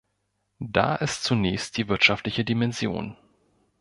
Da ist zunächst die wirtschaftliche Dimension.